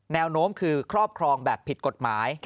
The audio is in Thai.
แนวโน้มคือครอบครองแบบผิดกฎหมาย